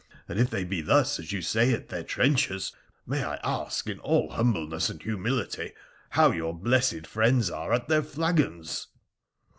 And if they be thus, as you say, at their trenchers, may I ask, in all humbleness and humility, how your blessed friends are at their flagons